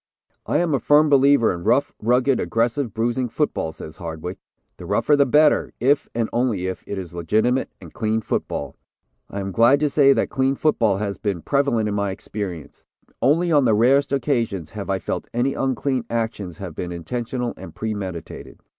"I am a firm believer in rough, rugged, aggressive, bruising football," says Hardwick. "The rougher, the better, if, and only if, it is legitimate and clean football. I am glad to say that clean football has been prevalent in my experience. Only on the rarest occasions have I felt any unclean actions have been intentional and premeditated.